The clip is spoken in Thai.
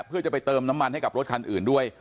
เพื่อจะไปเติมน้ำมันให้กับรถคันอื่นด้วย